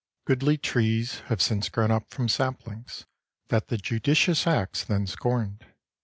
Goodly trees have since grown up from saplings that the judicious axe then scorned.